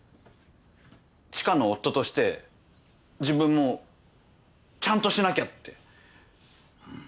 知花の夫として自分もちゃんとしなきゃって。